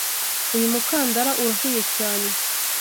Uyu mukandara urahuye cyane.